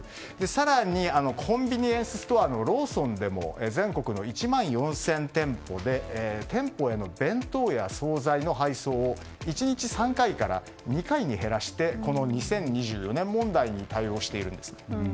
更に、コンビニエンスストアのローソンでは全国の１万４０００店舗で店舗への弁当や総菜の配送を１日３回から２回に減らしてこの２０２４年問題に対応しているんです。